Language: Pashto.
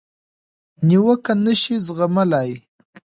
نیوکه نشي زغملای.